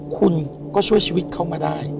คุณก็ช่วยชีวิตเขามาได้